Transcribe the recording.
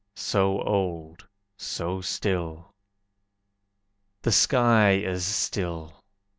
So old, so still! The sky is still.